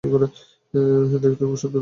দেখতে খুব সুন্দর, তাই না?